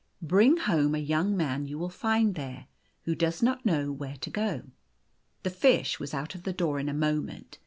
"Bring home a young man you will find there, who does not know where to go." The fish was out of the door in a moment.